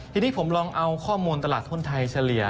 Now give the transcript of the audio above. ทีนี้ผมลองเอาข้อมูลตลาดหุ้นไทยเฉลี่ย